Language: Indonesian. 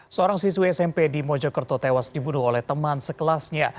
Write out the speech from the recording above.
seorang siswa smp di mojokerto tewas dibunuh oleh teman sekelasnya